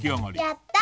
やった！